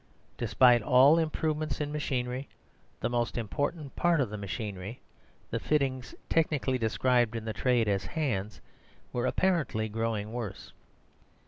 Despite all improvements in machinery, the most important part of the machinery (the fittings technically described in the trade as "hands") were apparently growing worse.